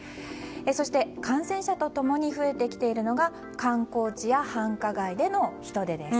そして、感染者と共に増えてきているのが観光地や繁華街での人出です。